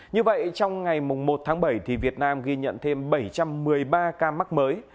như vậy trong ngày một tháng bảy việt nam ghi nhận thêm bảy trăm một mươi ba ca mắc mới